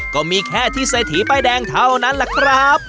ก็มีแค่ที่เศรษฐีป้ายแดงเท่านั้นแหละครับ